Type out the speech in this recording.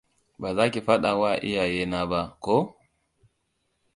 Ba za ki faɗawa iyayena ba, ko?